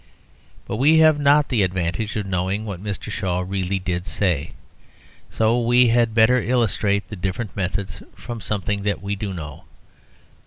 But we have not the advantage of knowing what Mr. Shaw really did say, so we had better illustrate the different methods from something that we do know.